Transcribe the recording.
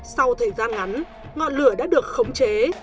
sau thời gian ngắn ngọn lửa đã được khống chế